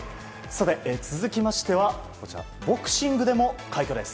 続きましてはボクシングでも快挙です。